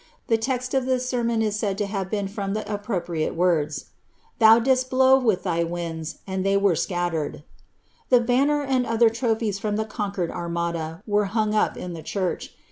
The text of this sermon is said to have been from the appropriate words, ^ Thou didst blow with thy winds, and they were scattered." The banners and other trophies from the conquered Armada were hung up in the church.